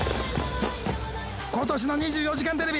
今年の『２４時間テレビ』